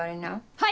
はい！